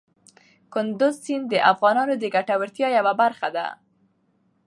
کندز سیند د افغانانو د ګټورتیا یوه برخه ده.